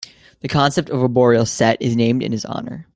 The concept of a Borel set is named in his honor.